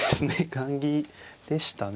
雁木でしたね。